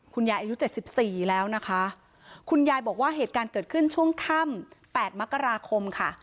อายุ๗๔แล้วนะคะคุณยายบอกว่าเหตุการณ์เกิดขึ้นช่วงค่ำ๘มกราคมค่ะ